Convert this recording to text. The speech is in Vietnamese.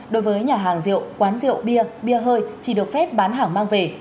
đối với nhà hàng rượu quán rượu bia bia hơi chỉ được phép bán hàng mang về